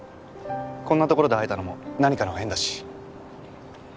こんな所で会えたのも何かの縁だし。